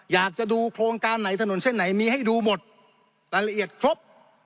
อยากจะดูโครงการไหนถนนเส้นไหนมีให้ดูหมดรายละเอียดครบ